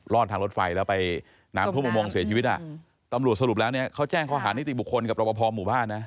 ทางรถไฟแล้วไปน้ำท่วมอุโมงเสียชีวิตอ่ะตำรวจสรุปแล้วเนี่ยเขาแจ้งข้อหานิติบุคคลกับรบพอหมู่บ้านนะ